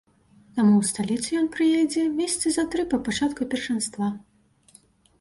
Таму ў сталіцу ён прыедзе месяцы за тры па пачатку першынства.